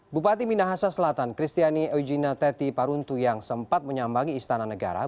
bupati minahasa selatan kristiani eujina teti paruntu yang sempat menyambangi istana negara